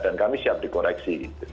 dan kami siap dikoreksi